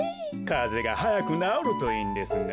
かぜがはやくなおるといいんですが。